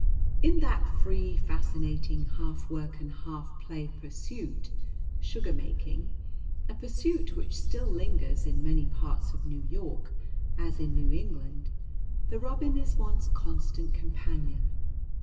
In that free, fascinating, half work and half play pursuit, sugar making, a pursuit which still lingers in many parts of New York, as in New England, the robin is one's constant companion.